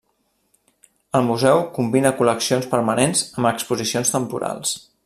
El museu combina col·leccions permanents amb exposicions temporals.